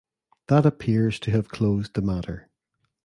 That appears to have closed the matter.